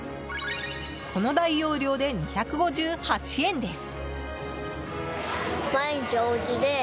この大容量で２５８円です。